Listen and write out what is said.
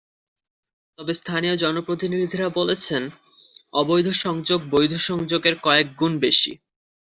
তবে স্থানীয় জনপ্রতিনিধিরা বলছেন, অবৈধ সংযোগ বৈধ সংযোগের কয়েক গুণ বেশি।